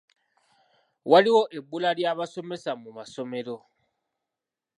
Waliwo ebbula ly'abasomesa mu masomero.